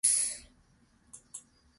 雷を手でキャッチします。